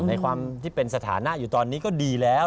ในความที่เป็นสถานะอยู่ตอนนี้ก็ดีแล้ว